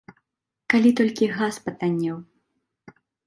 Калі толькі газ патаннеў!